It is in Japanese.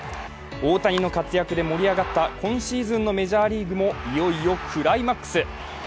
大谷の活躍で盛り上がった今シーズンのメジャーリーグもいよいよクライマックス。